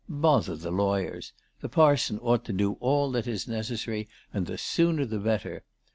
" Bother the lawyers ! The parson ought to do all that is necessary, and the sooner the better.